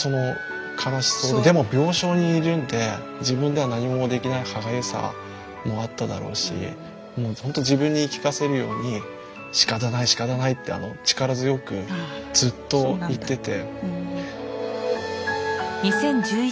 でも病床にいるんで自分では何もできない歯がゆさもあっただろうしもう本当自分に言い聞かせるようにしかたないしかたないって力強くずっと言ってて。